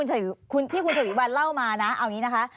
เอาอย่างนี้ที่คุณฉวีวันเล่ามานะเอาอย่างนี้นะคะ